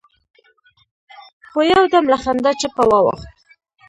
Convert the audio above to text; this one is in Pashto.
خو يودم له خندا چپه واوښت.